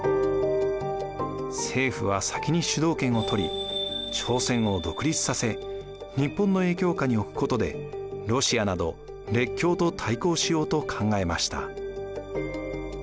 政府は先に主導権をとり朝鮮を独立させ日本の影響下に置くことでロシアなど列強と対抗しようと考えました。